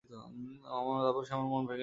তারপর সে আমার মন ভেঙ্গে দিল।